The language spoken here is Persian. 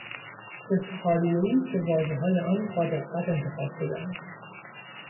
اظهاریهای که واژههای آن با دقت انتخاب شدهاند